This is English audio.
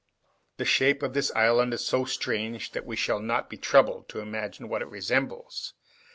The shape of the island is so strange that we shall not be troubled to imagine what it resembles.